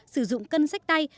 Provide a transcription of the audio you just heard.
sử dụng cân sách tay